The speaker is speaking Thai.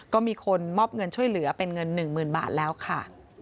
ก็มีคนมอบเงินช่วยเหลือเป็นเงิน๑๐๐๐บาทแล้วค่ะ